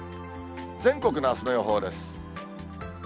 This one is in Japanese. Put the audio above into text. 全国のあすの予想です。